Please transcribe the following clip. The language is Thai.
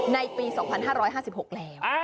ในปี๒๕๕๖แล้ว